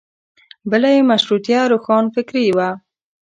بله یې مشروطیه روښانفکري وه.